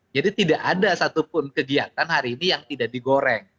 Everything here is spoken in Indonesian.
jadi tidak ada satupun kegiatan hari ini yang tidak digoreng